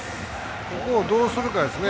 ここをどうするかですね。